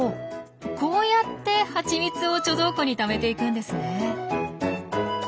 こうやってハチミツを貯蔵庫にためていくんですねえ。